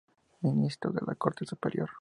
Ministro de la Corte Superior.